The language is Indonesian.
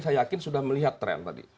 saya yakin sudah melihat tren tadi